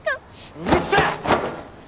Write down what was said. うるせぇ！